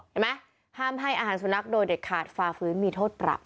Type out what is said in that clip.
เห็นไหมห้ามให้อาหารสุนัขโดยเด็ดขาดฝ่าฟื้นมีโทษปรับ